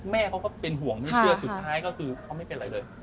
แม่เขาก็เป็นห่วงไม่เชื่อสุดท้ายก็คือเขาไม่เป็นอะไรเลย